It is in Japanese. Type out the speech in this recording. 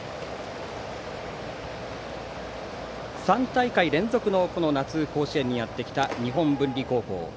３大会連続のこの夏の甲子園にやってきた日本文理高校。